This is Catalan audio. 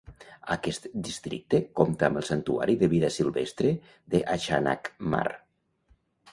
Aquest districte compta amb el Santuari de vida silvestre de Achanakmar.